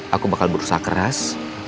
aku bakal berusaha keras